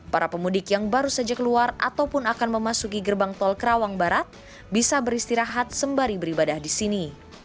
para pemudik yang baru saja keluar ataupun akan memasuki gerbang tol kerawang barat bisa beristirahat sembari beribadah di sini